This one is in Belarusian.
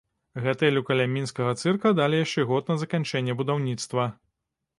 Гатэлю каля мінскага цырка далі яшчэ год на заканчэнне будаўніцтва.